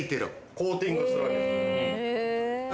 コーティングするわけです。